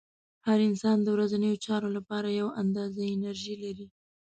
هر انسان د ورځنیو چارو لپاره یوه اندازه انرژي لري.